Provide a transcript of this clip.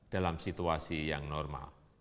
dalam situasi yang normal